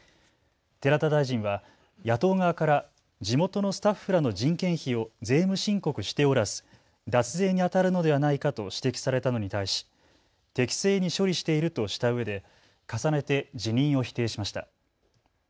寺田大臣は野党側から地元のスタッフらの人件費を税務申告しておらず脱税にあたるのではないかと指摘されたのに対し適正に処理しているとしたうえで重ねて辞任を否定しました。